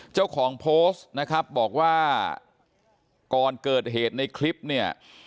เจ้าของโพสต์นะครับบอกว่าก่อนเกิดเหตุในคลิปเนี่ย